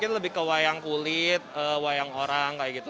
lebih ke wayang kulit wayang orang kayak gitu